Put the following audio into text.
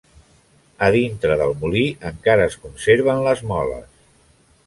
A dintre del molí encara es conserven les moles.